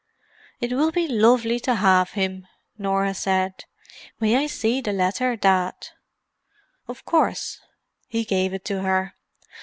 "It will be lovely to have him," Norah said. "May I see the letter, Dad?" "Of course." He gave it to her.